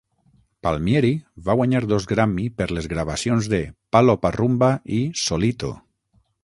Palmieri va guanyar dos Grammy per les gravacions de "Palo Pa 'Rumba" i "Solito".